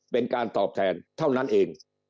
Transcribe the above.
เป็นการตอบแทนเท่านั้นเอง